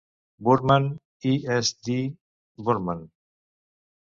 Burman i S. D. Burman.